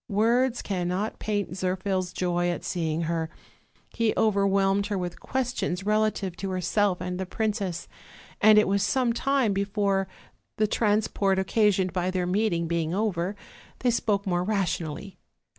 Words cannot paint Zirphil's joy at seeing her; he overwhelmed her with questions relative to herself and the princess; and it was some time before, the transport occasioned by their meeting being over, they spoke more rationally.